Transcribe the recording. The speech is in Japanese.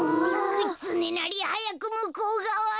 つねなりはやくむこうがわへ。